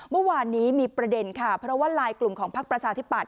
เมื่อวานนี้มีประเด็นค่ะเพราะว่าลายกลุ่มของพักประชาธิปัต